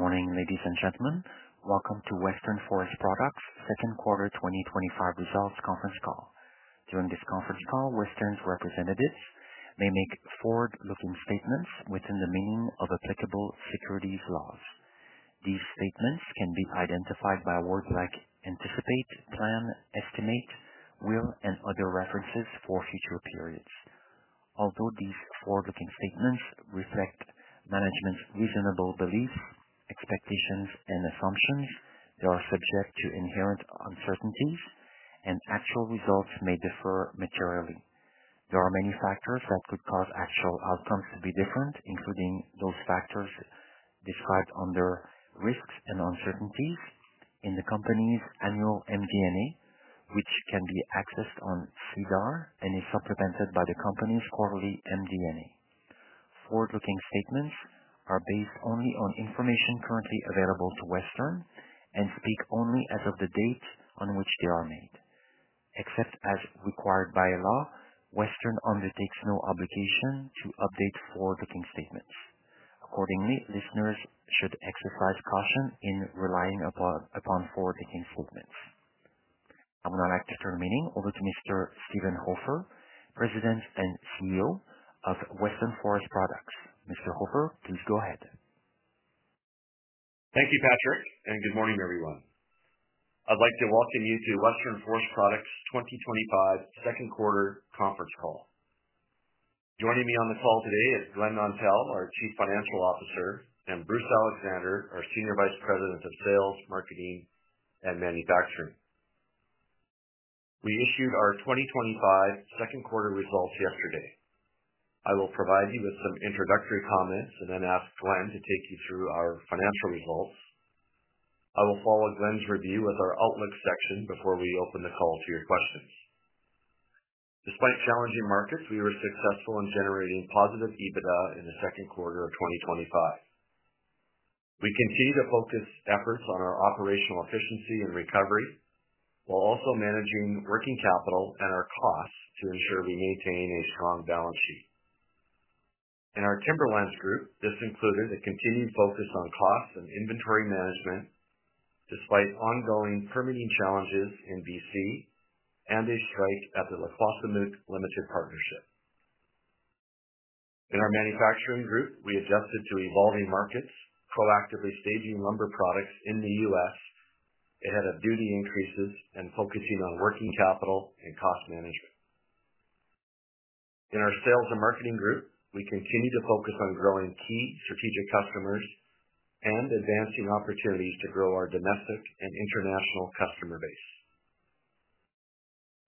Good morning, ladies and gentlemen. Welcome to Western Forest Products' Second Quarter 2025 Results Conference Call. During this conference call, Western's representatives may make forward-looking statements within the meaning of applicable securities laws. These statements can be identified by words like anticipate, plan, estimate, will, and other references for future periods. Although these forward-looking statements reflect management's reasonable beliefs, expectations, and assumptions, they are subject to inherent uncertainties, and actual results may differ materially. There are many factors that could cause actual outcomes to be different, including those factors described under risks and uncertainties in the company's annual MD&A, which can be accessed on SEDAR and is supplemented by the company's quarterly MD&A. Forward-looking statements are based only on information currently available to Western and speak only as of the date on which they are made. Except as required by law, Western undertakes no obligation to update forward-looking statements. Accordingly, listeners should exercise caution in relying upon forward-looking statements. I would now like to turn the meeting over to Mr. Steven Hofer, President and CEO of Western Forest Products. Mr. Hofer, please go ahead. Thank you, Patrick, and good morning, everyone. I'd like to welcome you to Western Forest Products' 2025 Second Quarter Conference Call. Joining me on the call today are Glen Nontell, our Chief Financial Officer, and Bruce Alexander, our Senior Vice President of Sales, Marketing, and Manufacturing. We issued our 2025 Second Quarter results yesterday. I will provide you with some introductory comments and then ask Glen to take you through our financial results. I will follow Glen's review with our outlook section before we open the call to your questions. Despite challenging markets, we were successful in generating positive EBITDA in the Second Quarter of 2025. We continue to focus efforts on our operational efficiency and recovery while also managing working capital and our costs to ensure we maintain a strong balance sheet. In our Timberlands group, this included a continued focus on costs and inventory management despite ongoing permitting challenges in B.C. and a strike at the La-kwa sa muqw Limited Partnership. In our manufacturing groups, we adjusted to evolving markets, proactively staging lumber products in the U.S. ahead of duty increases and focusing on working capital and cost management. In our sales and marketing group, we continue to focus on growing key strategic customers and advancing opportunities to grow our domestic and international customer base.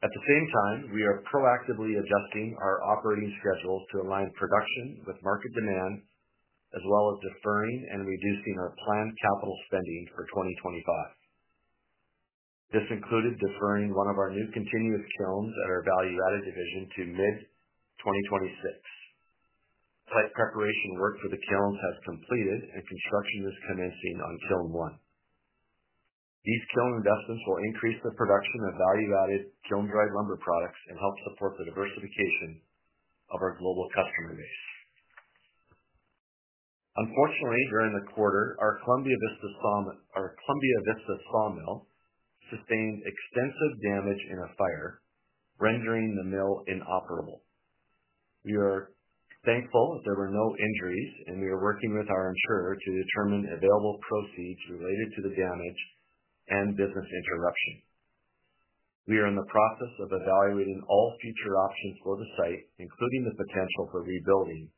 At the same time, we are proactively adjusting our operating schedule to align production with market demand, as well as deferring and reducing our planned capital spending for 2025. This included deferring one of our new continuous kilns at our value-added division to mid-2026. Site preparation work for the kilns has completed, and construction is commencing on kiln one. These kiln investments will increase the production of value-added kiln-dried lumber products and help support the diversification of our global customer base. Unfortunately, during the quarter, our Columbia Vista sawmill sustained extensive damage in a fire, rendering the mill inoperable. We are thankful that there were no injuries, and we are working with our insurer to determine available proceeds related to the damage and business interruption. We are in the process of evaluating all future options for the site, including the potential for rebuilding,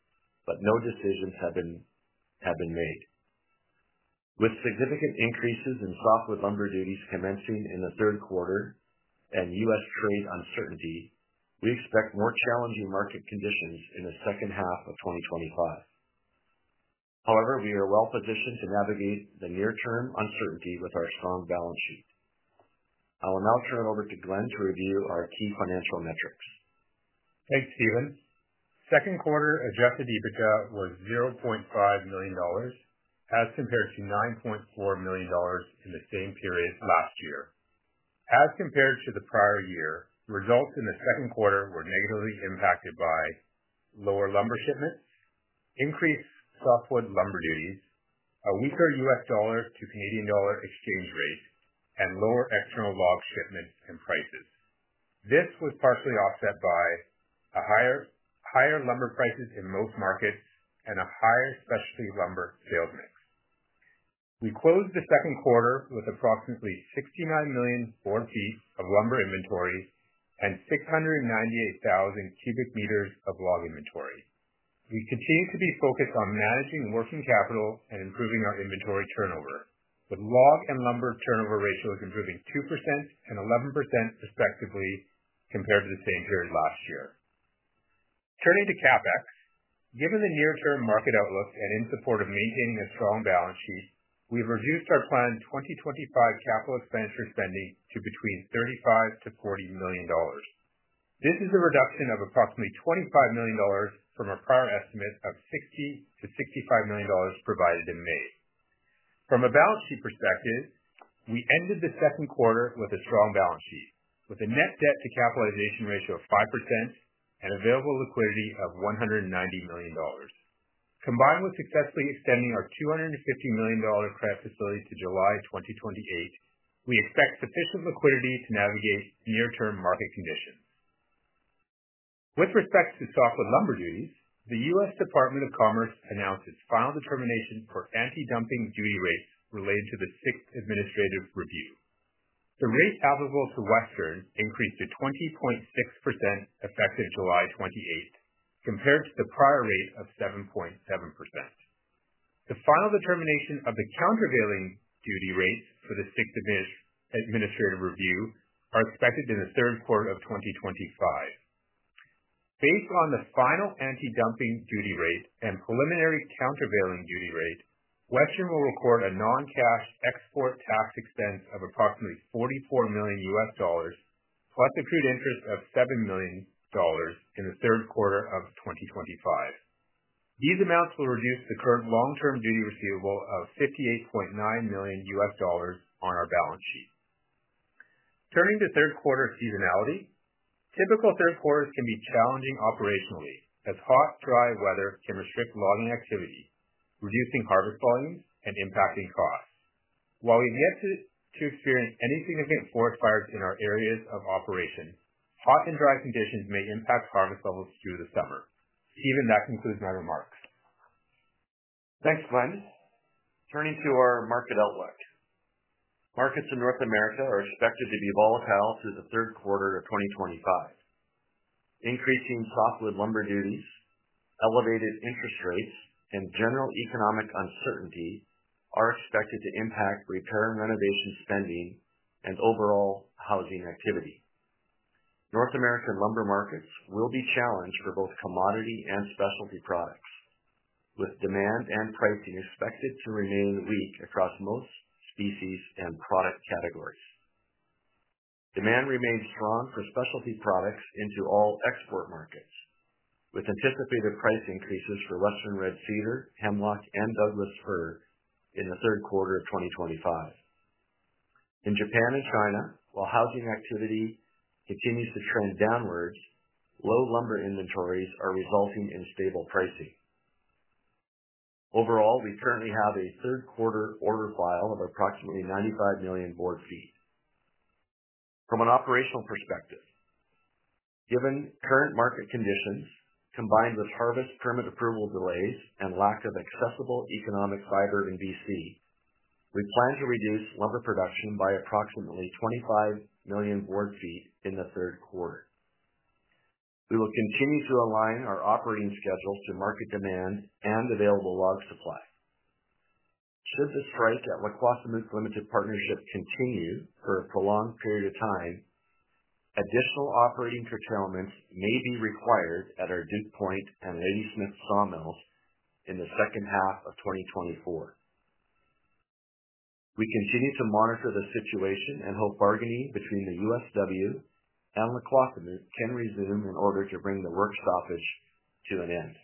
but no decisions have been made. With significant increases in softwood lumber duties commencing in the Third Quarter and U.S. trade uncertainty, we expect more challenging market conditions in the second half of 2025. However, we are well positioned to navigate the near-term uncertainty with our strong balance sheet. I will now turn it over to Glen to review our key financial metrics. Thanks, Steven. Second Quarter adjusted EBITDA was $0.5 million as compared to $9.4 million in the same period last year. As compared to the prior year, results in the Second Quarter were negatively impacted by lower lumber shipments, increased softwood lumber duties, a weaker U.S. dollar-to-Canadian dollar exchange rate, and lower external log shipments and prices. This was partially offset by higher lumber prices in most markets and a higher specialty lumber sales mix. We closed the Second Quarter with approximately 69 million board feet of lumber inventories and 698,000 cubic meters of log inventory. We continue to be focused on managing working capital and improving our inventory turnover. The log and lumber turnover ratio is improving 2% and 11% respectively compared to the same period last year. Turning to CapEx, given the near-term market outlook and in support of maintaining a strong balance sheet, we've reduced our planned 2025 capital expenditure spending to between $35 million-$40 million. This is a reduction of approximately $25 million from our prior estimate of $60 million-$65 million provided in May. From a balance sheet perspective, we ended the Second Quarter with a strong balance sheet with a net debt-to-capitalization ratio of 5% and available liquidity of $190 million. Combined with successfully extending our $250 million credit facility to July 2028, we expect sufficient liquidity to navigate near-term market conditions. With respect to softwood lumber duties, the U.S. Department of Commerce announced its final determination for anti-dumping duty rates related to the sixth administrative review. The rate applicable to Western increased to 20.6% effective July 28 compared to the prior rate of 7.7%. The final determination of the countervailing duty rates for the sixth administrative review is expected in the Third Quarter of 2025. Based on the final anti-dumping duty rate and preliminary countervailing duty rate, Western will record a non-cash export tax expense of approximately $44 million plus a true interest of $7 million in the Third Quarter of 2025. These amounts will reduce the current long-term duty receivable of $58.9 million on our balance sheet. Turning to Third Quarter seasonality, typical Third Quarters can be challenging operationally as hot, dry weather can restrict logging activity, reducing harvest volumes and impacting costs. While we've yet to experience any significant forest fires in our areas of operation, hot and dry conditions may impact harvest levels through the summer. Steven, that concludes my remarks. Thanks, Glen. Turning to our market outlook, markets in North America are expected to be volatile through the Third Quarter of 2025. Increasing softwood lumber duties, elevated interest rates, and general economic uncertainty are expected to impact return renovation spending and overall housing activity. North American lumber markets will be challenged for both commodity and specialty products, with demand and pricing expected to remain weak across most species and product categories. Demand remains strong for specialty products into all export markets, with anticipated price increases for Western Red Cedar, Hemlock, and Douglas Fir in the Third Quarter of 2025. In Japan and China, while housing activity continues to trend downward, low lumber inventories are resulting in stable pricing. Overall, we currently have a Third Quarter order file of approximately 95 million board feet. From an operational perspective, given current market conditions combined with harvest permit approval delays and lack of accessible economic fiber in B.C. we plan to reduce lumber production by approximately 25 million board feet in the Third Quarter. We will continue to align our operating schedule to market demand and available log supplies. Business disruption at La-kwa sa muqw Limited Partnership continues for a prolonged period of time. Additional operating curtailments may be required at our Duke Point and Ladysmith Saw Mill in the second half of 2024. We continue to monitor the situation and hope bargaining between the USW and La-kwa sa muqw can resume in order to bring the work stoppage to an end.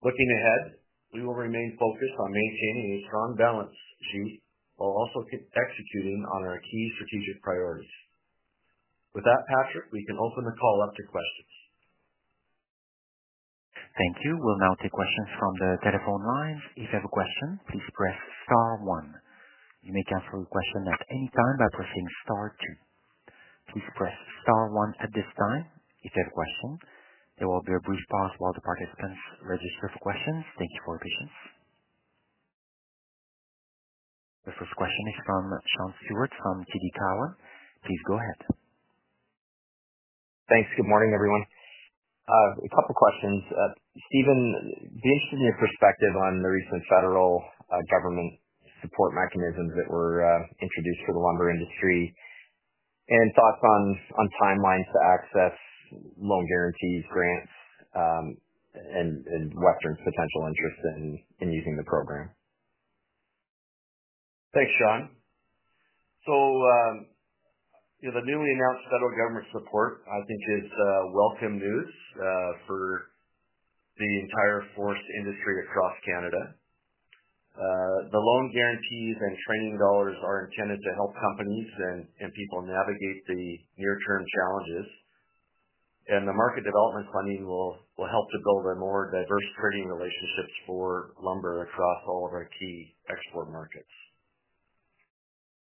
Looking ahead, we will remain focused on maintaining a strong balance sheet while also executing on our key strategic priorities. With that, Patrick, we can open the call up to questions. Thank you. We'll now take questions from the telephone line. If you have a question, please press star one. You may cancel your question at any time by pressing star two. Please press star one at this time. If you have a question, there will be a brief pause while the participants register for questions. Thank you for your patience. The first question is from Sean Steuart from TD Cowen. Please go ahead. Thanks. Good morning, everyone. A couple of questions. Steven, give us your perspective on the recent federal government support mechanisms that were introduced for the lumber industry, and thoughts on timelines to access loan guarantees, grants, and whether Western Forest Products intends to express interest in using the program. Thanks, Sean. The newly announced federal government support, I think, is welcome news for the entire forest industry across Canada. The loan guarantees and training dollars are intended to help companies and people navigate the near-term challenges, and the market development funding will help to build a more diverse trading relationship for lumber across all of our key export markets.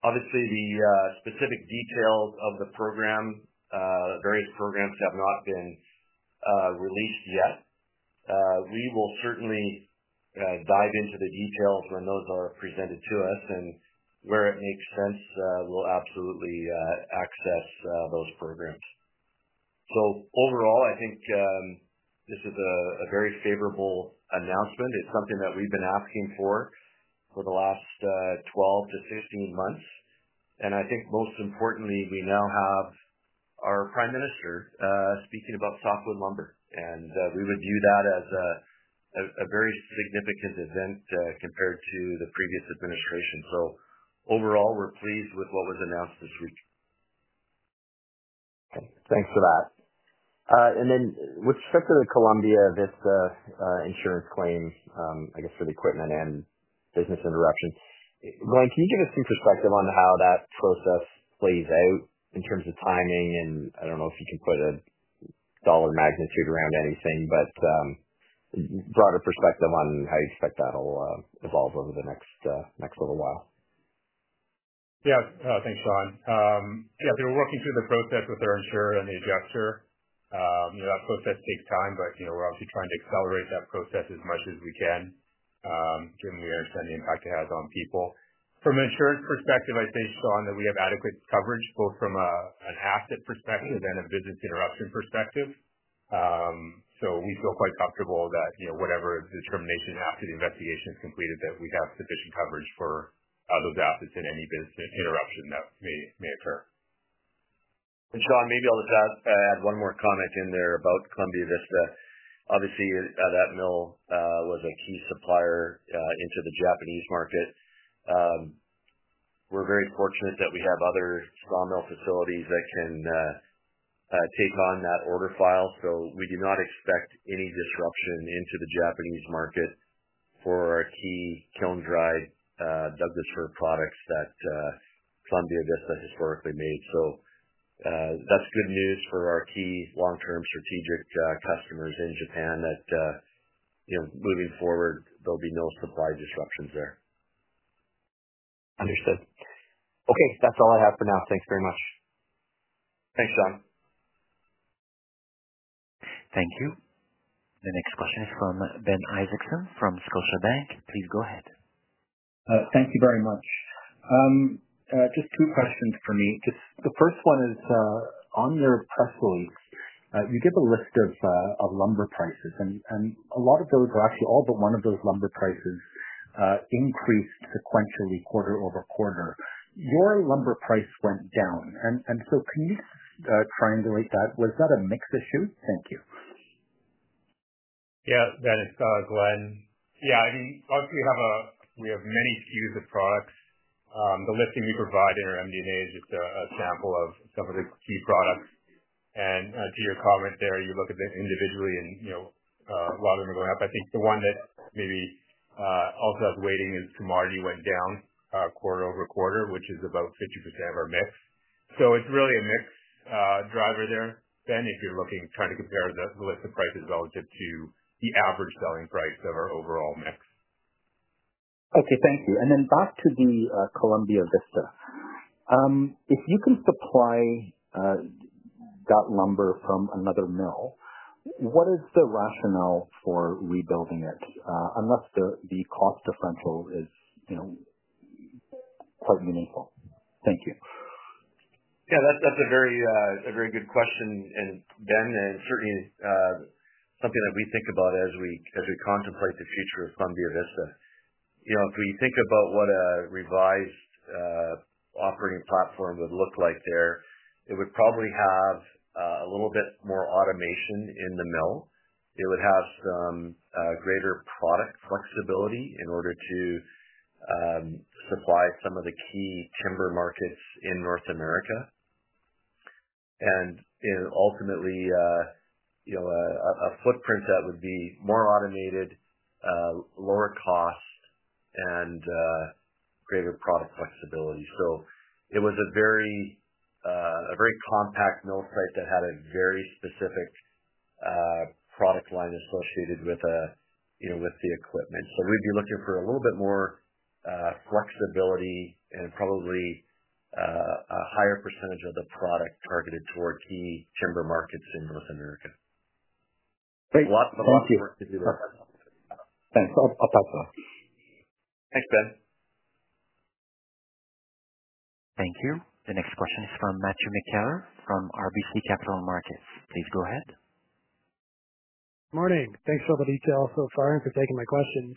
Obviously, the specific details of the program, various programs have not been released yet. We will certainly dive into the details when those are presented to us, and where it makes sense we'll absolutely access those programs. Overall, I think this is a very favorable announcement. It's something that we've been asking for for the last 12-15 months. Most importantly, we now have our Prime Minister speaking about softwood lumber, and we would view that as a very significant event compared to the previous administration. Overall, we're pleased with what was announced this week. Okay. Thanks for that. With respect to the Columbia Vista insurance claim, I guess for the equipment and business interruptions, Glen, can you give us some perspective on how that process plays out in terms of timing? I don't know if you can put a dollar magnitude around anything, but the broader perspective on how you expect that will evolve over the next little while. Yeah. Oh, thanks, Sean. Yeah, we were working through the process with our insurer and the adjuster. That process takes time, but we're occupying to accelerate that process as much as we can given the interest and the impact it has on people. From an insurance perspective, I think, Sean, that we have adequate coverage both from an asset perspective and a business interruption perspective. We feel quite comfortable that whatever determination after the investigation is completed that we have sufficient coverage for those assets in any business interruption that may occur. Sean, maybe I'll just add one more comment in there about Columbia Vista. Obviously, that mill was a key supplier into the Japanese market. We're very fortunate that we have other sawmill facilities that can take on that order file. We do not expect any disruption into the Japanese market for our key kiln-dried Douglas Fir products that Columbia Vista historically made. That's good news for our key long-term strategic customers in Japan that, you know, moving forward, there'll be no supply disruptions there. Understood. Okay. That's all I have for now. Thanks very much. Thanks, Sean. Thank you. The next question is from Ben Isaacson from Scotiabank. Please go ahead. Thank you very much. Just two questions for me. The first one is on your press release, you give a list of lumber prices, and a lot of those were actually all but one of those lumber prices increased sequentially quarter over quarter. Your lumber price went down. Can you triangulate that? Was that a mix issue? Thank you. Yeah, it's Glen. I mean, obviously, we have many SKUs of products. The listing you provide in your MD&A is just a sample of some of the key products. To your comment there, you look at them individually, and you know a lot of them are going up. I think the one that maybe also is weighting is Sumar; you went down quarter over quarter, which is about 50% of our mix. It's really a mix driver there, Ben, if you're looking at trying to compare the list of prices relative to the average selling price of our overall mix. Okay. Thank you. Back to the Columbia Vista. If you can supply that lumber from another mill, what is the rationale for rebuilding it unless the cost differential is quite meaningful? Thank you. Yeah, that's a very good question. Ben, it's certainly something that we think about as we contemplate the future of Columbia Vista. If we think about what a revised operating platform would look like there, it would probably have a little bit more automation in the mill. It would have some greater product flexibility in order to supply some of the key timber markets in North America. Ultimately, a footprint that would be more automated, lower cost, and greater product flexibility. It was a very compact mill type that had a very specific product line associated with the equipment. We'd be looking for a little bit more flexibility and probably a higher percentage of the product targeted toward key timber markets in North America. Thanks. Lots of work to do there. Thanks. I'll pass it on. Thanks, Ben. Thank you. The next question is from Matthew McKellar from RBC Capital Markets. Please go ahead. Morning. Thanks for all the details so far and for taking my questions.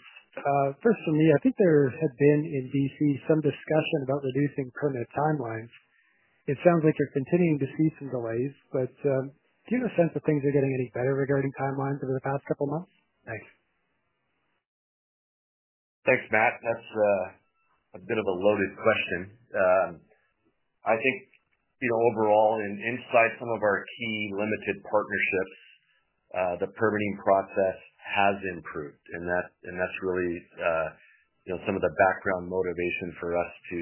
First, for me, I think there had been in British Columbia some discussion about reducing permit timelines. It sounds like you're continuing to see some delays, but do you have a sense if things are getting any better regarding timelines over the past couple of months? Thanks. Thanks, Matt. That's a bit of a loaded question. I think, you know, overall, inside some of our key limited partnerships, the permitting process has improved. That's really, you know, some of the background motivation for us to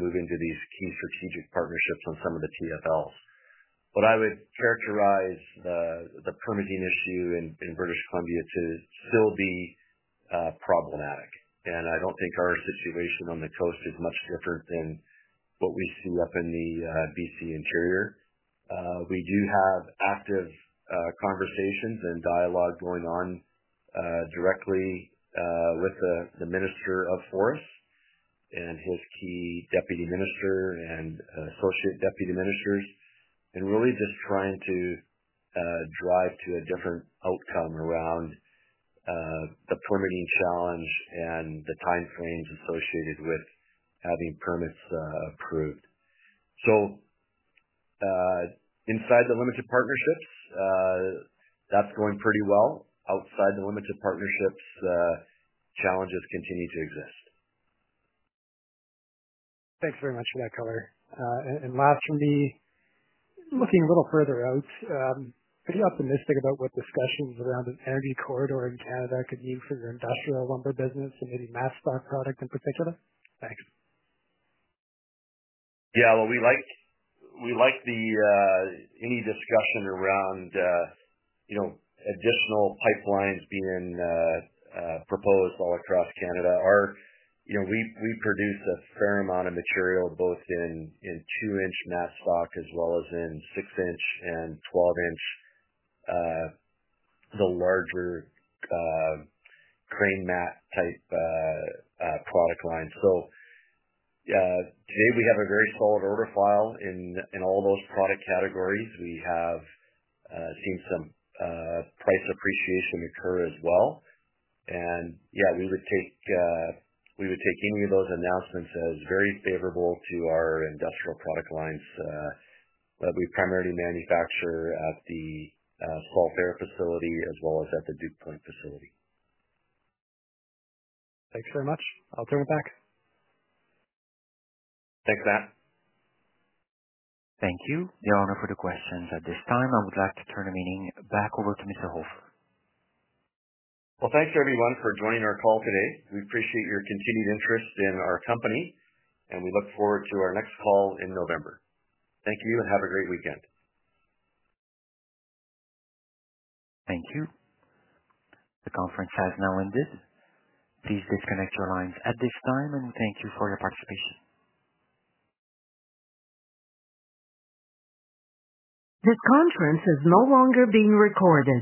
move into these key strategic partnerships on some of the TFLs. What I would characterize as the permitting issue in British Columbia is it will be problematic. I don't think our situation on the coast is much different than what we see up in the BC interior. We do have active conversations and dialogue going on directly with the Minister of Forests and his key Deputy Minister and Associate Deputy Ministers, really just trying to drive to a different outcome around the permitting challenge and the timeframes associated with having permits approved. Inside the limited partnerships, that's going pretty well. Outside the limited partnerships, challenges continue to exist. Thanks very much for that, Cover. Lastly, looking a little further out, are you optimistic about what discussions around an energy corridor in Canada could use as an industrial lumber business and maybe mass stock product in particular? Thanks. Yeah, we like any discussion around, you know, additional pipelines being proposed all across Canada. You know, we produce a fair amount of material both in 2-inch mass stock as well as in 6-inch and 12-inch, the larger crane mat type product lines. Today, we have a very solid order file in all those product categories. We have seen some price appreciation occur as well. We would take any of those announcements as very favorable to our industrial product lines that we primarily manufacture at the Fort Bear facility as well as at the Duke Point facility. Thanks very much. I'll turn it back. Thanks, Matt. Thank you. We have no further questions at this time. I would like to turn the meeting back over to Mr. Hofer. Thank you, everyone, for joining our call today. We appreciate your continued interest in our company, and we look forward to our next call in November. Thank you and have a great weekend. Thank you. The conference has now ended. Please disconnect your lines at this time, and thank you for your participation. This conference is no longer being recorded.